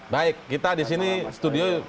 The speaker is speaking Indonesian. baik kita disini studio